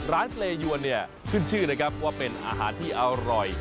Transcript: ร้านเกลยวนขึ้นชื่อนะครับว่าเป็นอาหารที่อร่อย